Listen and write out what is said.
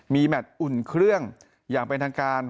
มีแมทอุ่นเครื่องอย่างเป็นทางการ